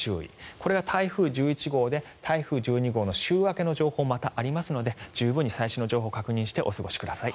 これが台風１１号で台風１２号の週明けの情報がまたありますので十分に最新の情報を確認してお過ごしください。